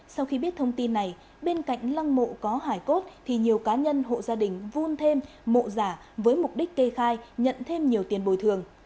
sau khi biết thông tin này bên cạnh lăng mộ có hải cốt thì nhiều cá nhân hộ gia đình vun thêm mộ giả với mục đích kê khai nhận thêm nhiều tiền bồi thường